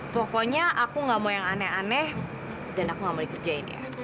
pokoknya aku gak mau yang aneh aneh dan aku gak mau dikerjain ya